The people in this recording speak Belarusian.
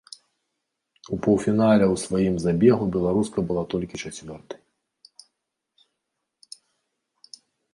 У паўфінале ў сваім забегу беларуска была толькі чацвёртай.